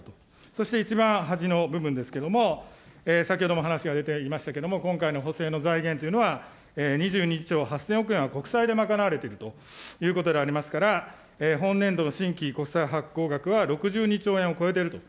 そして一番端の部分ですけれども、先ほども話が出ていましたけれども、今回の補正の財源というのは、２２兆８０００億円は国債で賄われているということでありますから、本年度の新規国債発行額は６２兆円を超えていると。